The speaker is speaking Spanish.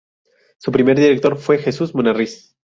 Su primer director fue Jesús Munárriz.